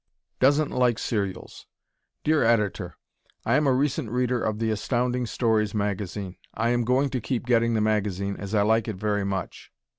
Doesn't Like Serials Dear Editor: I am a recent reader of the Astounding Stories magazine. I am going to keep getting the magazine, as I like it very much.